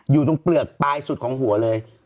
อยู่ตรงเปลือกปลายสุดของหัวเลย